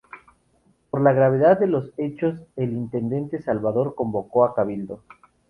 Por la gravedad de los hechos, el intendente Salvador convocó a cabildo.